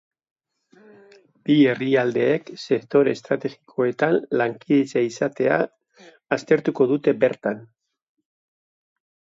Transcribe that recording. Bi herrialdeek sektore estrategikoetan lankidetza izatea aztertuko dute bertan.